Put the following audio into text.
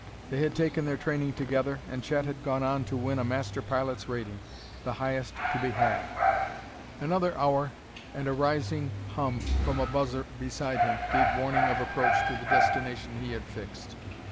They had taken their training together, and Chet had gone on to win a master pilot's rating, the highest to be had.... Another hour, and a rising hum from a buzzer beside him gave warning of approach to the destination he had fixed.